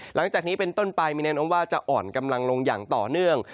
หลังจากนี้เป็นต้นไปมีแนะนำว่าจะอ่อนกำลังลงอย่างต่อเนื่อง